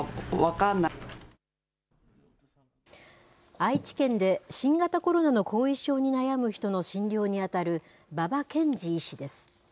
愛知県で新型コロナの後遺症に悩む人の診療に当たる馬場研二医師です。